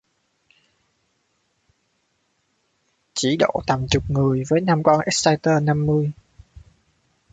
Chỉ độ tầm chục người với năm con Exciter năm mươi